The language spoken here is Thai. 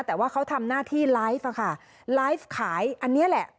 แต่ว่าเขาทำหน้าที่ไลฟ์ค่ะไลฟ์ขายอันนี้แหละ